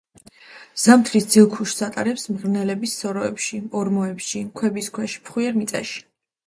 ზამთრის ძილქუშს ატარებს მღრღნელების სოროებში, ორმოებში, ქვების ქვეშ, ფხვიერ მიწაში.